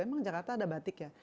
memang jakarta ada batik ya